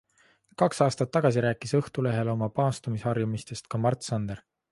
Kaks aastat tagasi rääkis Õhtulehele oma paastumisharjumusest ka Mart Sander.